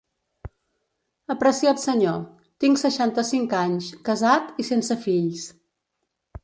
Apreciat Senyor: Tinc seixanta-cinc anys, casat i sense fills.